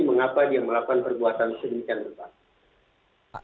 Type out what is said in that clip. mengapa dia melakukan perbuatan sedemikian rupa